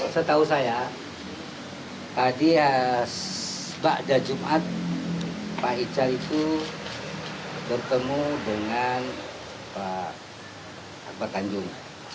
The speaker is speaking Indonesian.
setahu saya tadi ya sebab ada jumat pak ica itu bertemu dengan pak tanjung